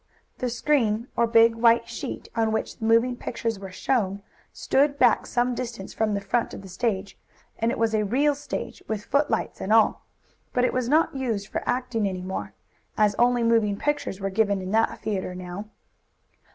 The screen, or big white sheet, on which the moving pictures were shown, stood back some distance from the front of the stage. And it was a real stage, with footlights and all, but it was not used for acting any more, as only moving pictures were given in that theatre now.